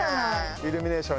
イルミネーション